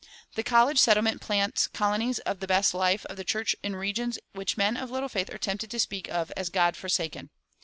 The "college settlement" plants colonies of the best life of the church in regions which men of little faith are tempted to speak of as "God forsaken."